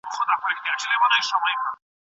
هره شپه نرۍ ژړا او څراغونه